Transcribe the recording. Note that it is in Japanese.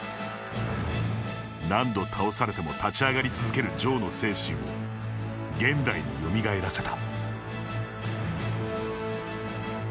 何度倒されても立ち向かい続けるジョーの精神を現代によみがえらせた。